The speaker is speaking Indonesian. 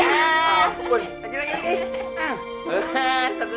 aku bisa juga ikut ini